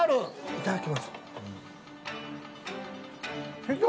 いただきます。